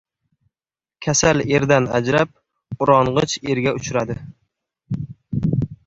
• Kasal erdan ajrab, urong‘ich erga uchradi.